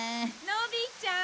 のびちゃん。